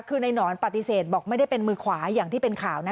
คือในหนอนปฏิเสธบอกไม่ได้เป็นมือขวาอย่างที่เป็นข่าวนะ